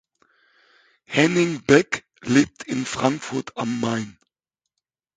Henning Beck lebt in Frankfurt am Main.